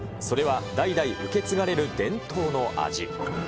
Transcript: それは代々受け継がれる伝統の味。